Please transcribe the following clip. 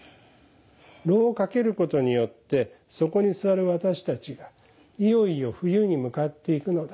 炉をかけることによってそこに座る私たちがいよいよ冬に向かっていくのだ。